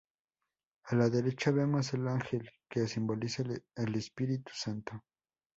A la derecha vemos el ángel que simboliza al Espíritu Santo.